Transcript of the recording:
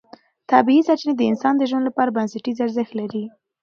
طبیعي سرچینې د انسان د ژوند لپاره بنسټیز ارزښت لري